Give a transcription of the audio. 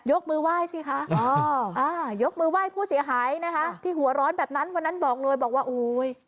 มือไหว้สิคะอ๋ออ่ายกมือไหว้ผู้เสียหายนะคะที่หัวร้อนแบบนั้นวันนั้นบอกเลยบอกว่าโอ้ย